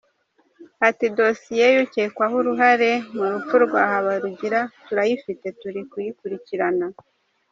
Ati "Dosiye y’ukekwaho uruhare mu rupfu rwa Habarugira turayifite turi kuyikurikirana.